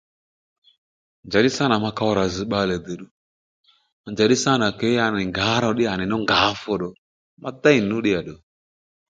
Njaddí sâ nà ma kow rà zz bbalè de ddù njàddí sânà ke ya ngǎro à nì nú ngǎ fu ddo ma dey nǔ ddíya ddo